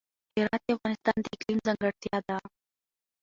هرات د افغانستان د اقلیم ځانګړتیا ده.